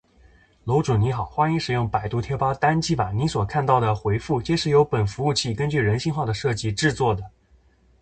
楼主你好：欢迎使用百度贴吧单机版！您所看到的回复，皆是由本服务器根据人性化的设计制作的